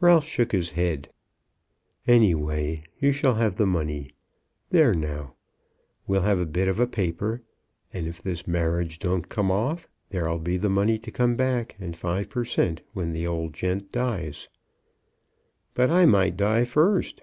Ralph shook his head. "Anyways you shall have the money; there now. We'll have a bit of a paper, and if this marriage don't come off there'll be the money to come back, and five per cent. when the old gent dies." "But I might die first."